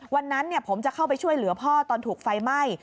วันนั้นผมจะเข้าไปช่วยเหลือพ่อตอนถูกไฟไหม้